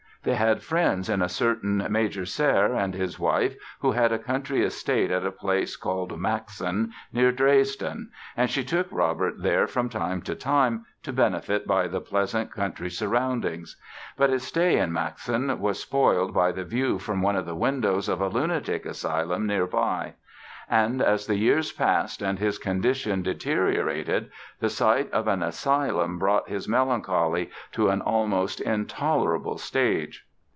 They had friends in a certain Major Serre and his wife who had a country estate at a place called Maxen, near Dresden, and she took Robert there from time to time to benefit by the pleasant country surroundings. But his stay in Maxen was spoiled by the view from one of the windows of a lunatic asylum nearby. And as the years passed and his condition deteriorated the sight of an asylum brought his melancholy to an almost intolerable stage.